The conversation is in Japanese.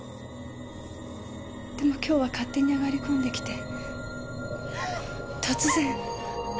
でも今日は勝手に上がり込んできて突然。